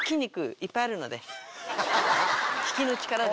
引きの力で。